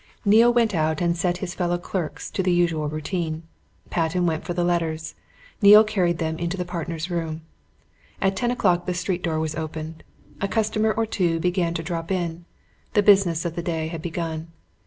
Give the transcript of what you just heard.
Neale went out and set his fellow clerks to the usual routine. Patten went for the letters. Neale carried them into the partners' room. At ten o'clock the street door was opened. A customer or two began to drop in. The business of the day had begun.